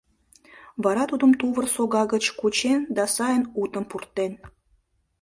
Вара тудым тувыр сога гыч кучен да сайын утым пуртен.